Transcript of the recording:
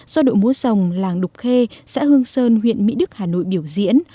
do đội múa rồng làng đục khê xã hương sơn huyện mỹ đức hà nội biểu diễn